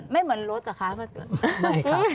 เหมือนรถเหรอคะ